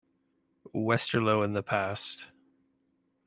Westerlo in the past.